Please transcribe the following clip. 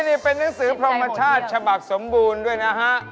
สูงสูงสูงสูงสูง